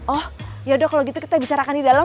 oh yaudah kalau gitu kita bicarakan di dalam